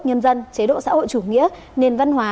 nhân dân chế độ xã hội chủ nghĩa nền văn hóa